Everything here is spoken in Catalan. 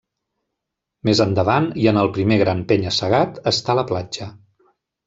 Més endavant, i en el primer gran penya-segat, està la platja.